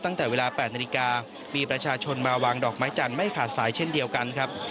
ตั้งแต่เวลา๘นาฬิกามีประชาชนมาวางดอกไม้จันทร์ไม่ขาดสายเช่นเดียวกันครับ